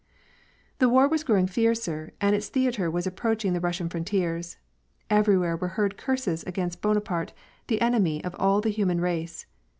Thb war was growing fiercer, and its theatre was approach ing the Russian frontiers. Everywhere were heard curses against Bonaparte, the enemy of all the human race.